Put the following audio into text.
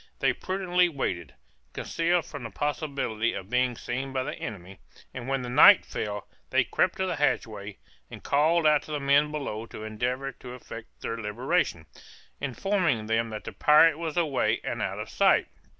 They prudently waited, concealed from the possibility of being seen by the enemy, and when the night fell, they crept to the hatchway, and called out to the men below to endeavor to effect their liberation, informing them that the pirate was away and out of sight.